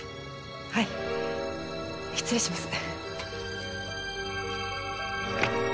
はい失礼します